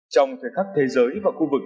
trong thời khắc thế giới và khu vực